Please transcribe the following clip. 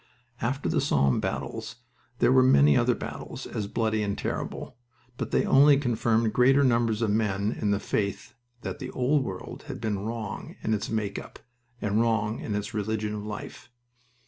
After the Somme battles there were many other battles as bloody and terrible, but they only confirmed greater numbers of men in the faith that the old world had been wrong in its "make up" and wrong in its religion of life.